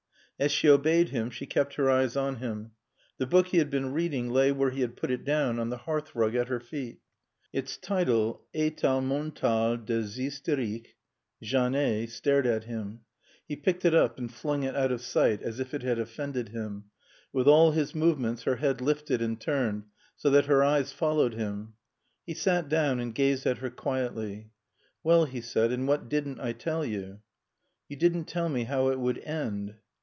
As she obeyed him she kept her eyes on him. The book he had been reading lay where he had put it down, on the hearthrug at her feet. Its title, "État mental des hystériques;" Janet, stared at him. He picked it up and flung it out of sight as if it had offended him. With all his movements her head lifted and turned so that her eyes followed him. He sat down and gazed at her quietly. "Well," he said, "and what didn't I tell you?" "You didn't tell me how it would end."